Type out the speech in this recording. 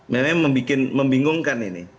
memang membingungkan ini